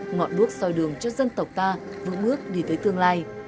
ngọn bước soi đường cho dân tộc ta vững ước đi tới tương lai